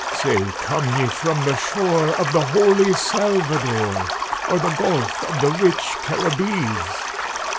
Say, come ye from the shore of the holy Salvador, Or the gulf of the rich Caribbees?"